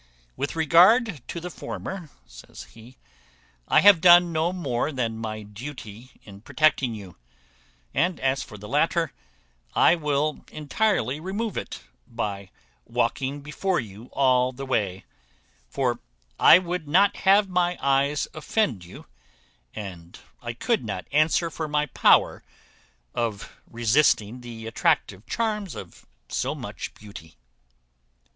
"With regard to the former," says he, "I have done no more than my duty in protecting you; and as for the latter, I will entirely remove it, by walking before you all the way; for I would not have my eyes offend you, and I could not answer for my power of resisting the attractive charms of so much beauty."